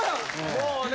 もうね。